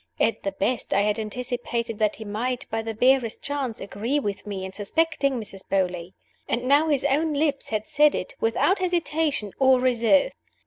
At the best, I had anticipated that he might, by the barest chance, agree with me in suspecting Mrs. Beauly. And now his own lips had said it, without hesitation or reserve!